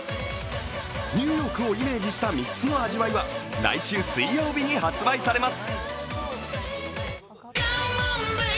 ニューヨークをイメージした３つの味わいは来週水曜日に発売されます。